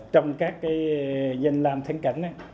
trong các danh lam thánh cảnh